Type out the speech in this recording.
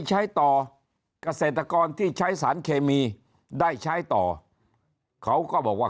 ใช้ต่อเกษตรกรที่ใช้สารเคมีได้ใช้ต่อเขาก็บอกว่า